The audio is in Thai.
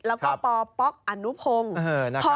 แล้วก็ปป๊อกอนุพงศ์